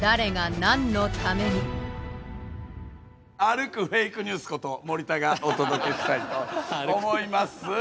歩くフェイクニュースこと森田がお届けしたいと思います。